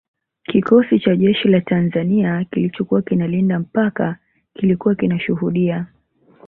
Kikosi cha jeshi la Tanzania kilichokuwa kinalinda mpaka kilikuwa kinashuhudia